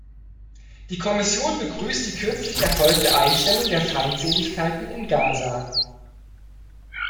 Die Kommission begrüßt die kürzlich erfolgte Einstellung der Feindseligkeiten in Gaza.